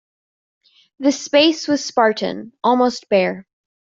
The space was spartan, almost bare.